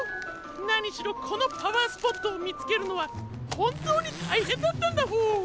なにしろこのパワースポットをみつけるのはほんとうにたいへんだったんだホォー。